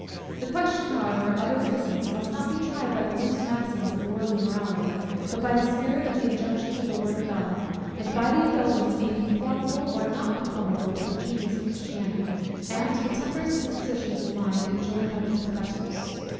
The question, however, of its innocence, must not be tried by the loose maxims of worldly morality, but by the spirit of the injunctions of the word of God; and by the indulgence being conformable or not conformable to the genius of Christianity, and to the tempers and dispositions of mind enjoined on its professors.